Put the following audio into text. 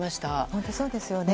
本当、そうですよね。